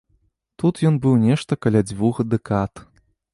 Тут ён быў нешта каля дзвюх дэкад.